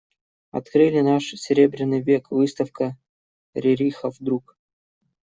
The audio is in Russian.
Открыли наш Серебряный век, выставка Рериха вдруг.